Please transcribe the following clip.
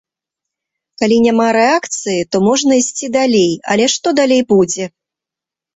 Калі няма рэакцыі, то можна ісці далей, але што далей будзе?